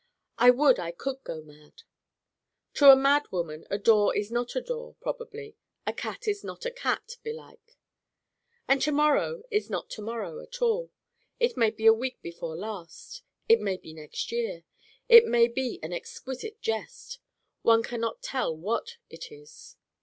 I would I could go Mad. To a Mad woman a Door is not a Door, probably: a Cat is not a Cat, belike: and To morrow is not To morrow at all it may be week before last, it may be next year, it may be an exquisite jest. One can not tell what it is.